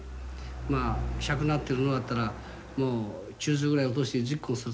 まあ１００なってるのがあったらもう９０ぐらい落として１０個にするとね